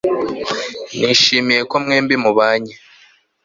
nishimiye ko mwembi mubanye